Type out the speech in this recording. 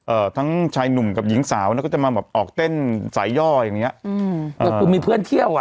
เอ่อทั้งชายหนุ่มกับหญิงสาวเนี้ยก็จะมาแบบออกเต้นสายย่ออย่างเงี้ยอืมก็คือมีเพื่อนเที่ยวอ่ะ